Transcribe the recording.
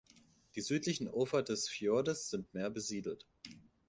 Die südlichen Ufer des Fjordes sind mehr besiedelt.